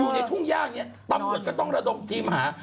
อยู่ในทุ่งย่างนี้ตำรวจก็ต้องระดมทีมหา